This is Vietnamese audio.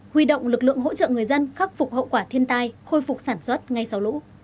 huy động lực lượng hỗ trợ người dân khắc phục hậu quả thiên tai khôi phục sản xuất ngay sau lũ